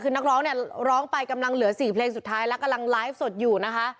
คือนักร้องเนี่ยร้องไปกำลังเหลือ๔เพลงสุดท้ายแล้วกำลังไลฟ์สดอยู่นะคะ